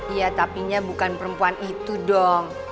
iya tapi nya bukan perempuan itu dong